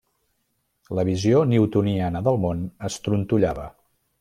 La visió newtoniana del món es trontollava.